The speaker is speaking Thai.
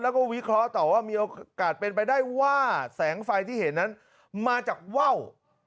แล้วก็วิเคราะห์ต่อว่ามีโอกาสเป็นไปได้ว่าแสงไฟที่เห็นนั้นมาจากว่าว